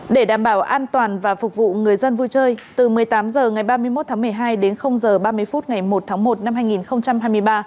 để đảm bảo an toàn và phục vụ người dân vui chơi từ một mươi tám h ngày ba mươi một tháng một mươi hai đến h ba mươi phút ngày một tháng một năm hai nghìn hai mươi ba